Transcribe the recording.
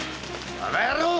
バカ野郎！